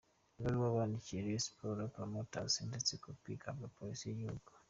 Ibaruwa bandikikiye R. Sports promoters ndetse kopi igahabwa polisi y’igihugu